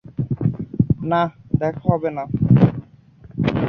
না, দেখা হবে না।